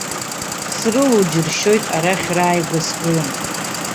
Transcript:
Срылоу џьыршьоит, арахь рааигәа сгылам.